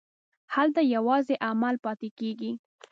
هلته یوازې عمل پاتې کېږي.